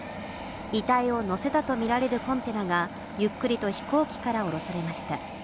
遺体を乗せたと見られるコンテナが、ゆっくりと飛行機から降ろされました。